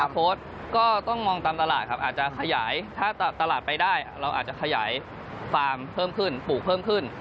โค้ดก็ต้องมองตามตลาดครับอาจจะขยายถ้าตลาดไปได้เราอาจจะขยายฟาร์มเพิ่มขึ้นปลูกเพิ่มขึ้น